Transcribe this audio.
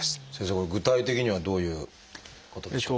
これ具体的にはどういうことでしょうか？